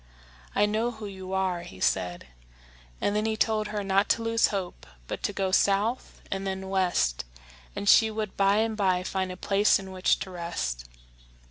"I know who you are," he said; and then he told her not to lose hope, but to go south and then west, and she would by and by find a place in which to rest.